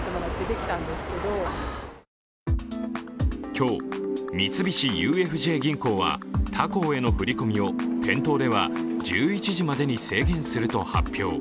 今日、三菱ＵＦＪ銀行は他行への振り込みを店頭では１１時までに制限すると発表。